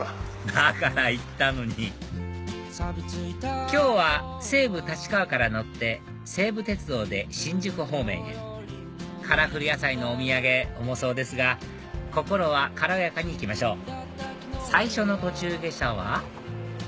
だから言ったのに今日は西武立川から乗って西武鉄道で新宿方面へカラフル野菜のお土産重そうですが心は軽やかに行きましょう最初の途中下車は？